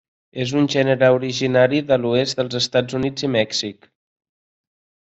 És un gènere originari de l'oest dels Estats Units i de Mèxic.